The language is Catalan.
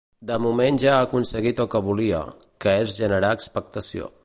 De moment ja ha aconseguit el que volia, que és generar expectació.